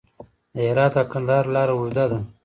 د هرات او کندهار لاره اوږده ده